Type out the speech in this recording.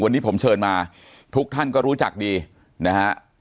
วันนี้ผมเชิญมาทุกท่านก็รู้จักดีนะฮะ